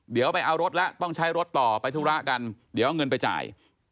เดี๋ยวไปเอารถแล้วต้องใช้รถต่อไปธุระกันเดี๋ยวเอาเงินไปจ่าย